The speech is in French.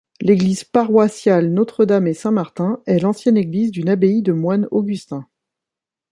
L’église paroissiale Notre-Dame-et-Saint-Martin est l’ancienne église d’une abbaye de moines augustins.